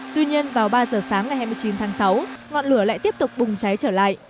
tuy nhiên vào ba giờ sáng ngày hai mươi chín tháng sáu ngọn lửa lại tiếp tục bùng cháy trở lại